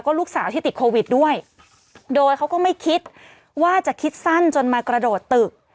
ลูกสาวที่ติดโควิดด้วยโดยเขาก็ไม่คิดว่าจะคิดสั้นจนมากระโดดตึก